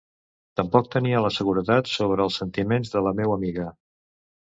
Tampoc tenia la seguretat sobre els sentiments de la meua amiga...